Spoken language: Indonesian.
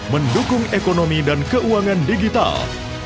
mendukung ekonomi dan keuangan digital